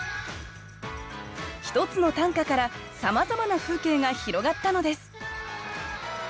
１つの短歌からさまざまな風景が広がったのです